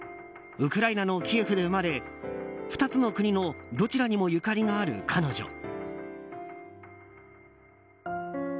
ウクライナのキエフで生まれ２つの国のどちらにもゆかりがある彼女。